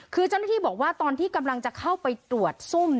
คือเจ้าหน้าที่บอกว่าตอนที่กำลังจะเข้าไปตรวจซุ่ม